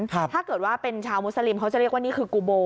ถ้าเกิดว่าเป็นชาวมุสลิมเขาจะเรียกว่านี่คือกูโบ